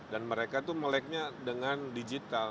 dan mereka meleknya dengan digital